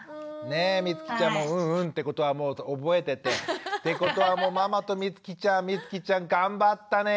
ねえみつきちゃんもうんうんってことはもう覚えてて。ってことはもうママとみつきちゃんみつきちゃん頑張ったね。